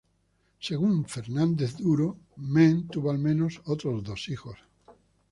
Según Fernández Duro, Men tuvo al menos otros dos hijos.